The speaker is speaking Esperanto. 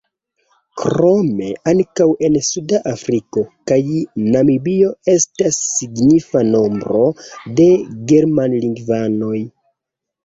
Krome ankaŭ en Sud-Afriko kaj Namibio estas signifa nombro de germanlingvanoj.